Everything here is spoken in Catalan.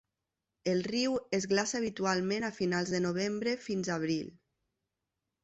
El riu es glaça habitualment a finals de novembre fins a abril.